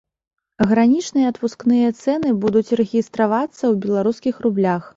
Гранічныя адпускныя цэны будуць рэгістравацца ў беларускіх рублях.